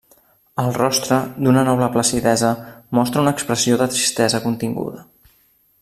El rostre, d'una noble placidesa, mostra una expressió de tristesa continguda.